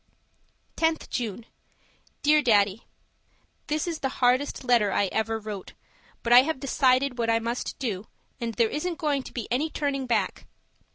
10th June Dear Daddy, This is the hardest letter I ever wrote, but I have decided what I must do, and there isn't going to be any turning back.